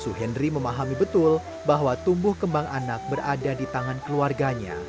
suhendri memahami betul bahwa tumbuh kembang anak berada di tangan keluarganya